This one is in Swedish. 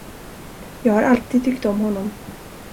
Jag har alltid tyckt om honom.